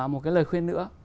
một cái lời khuyên nữa